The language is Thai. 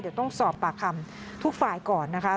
เดี๋ยวต้องสอบปากคำทุกฝ่ายก่อนนะคะ